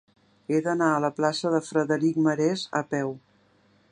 He d'anar a la plaça de Frederic Marès a peu.